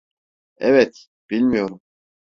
Evet, bilmiyorum.